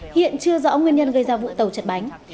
hiện chưa rõ nguyên nhân gây ra vụ tàu chật bánh